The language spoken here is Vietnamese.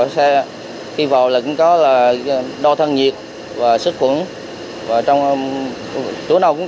xe khi vào cũng có đo thân nhiệt và sức khuẩn